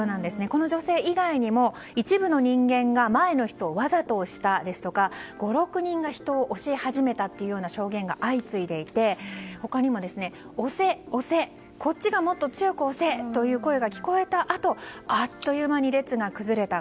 この女性以外にも、一部の人間が前の人をわざと押したですとか５６人が人を押し始めたという証言が相次いでいて他にも押せ、押せこっちがもっと強く押せという声が聞こえたあとあっという間に列が崩れた。